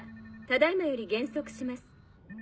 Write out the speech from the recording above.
ただ今より減速します。